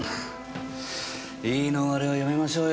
言い逃れはやめましょうよ。